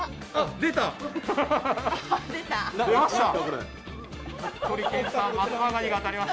出ました！